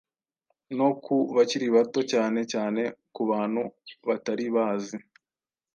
no ku bakiri bato cyane cyane ku bantu batari bazi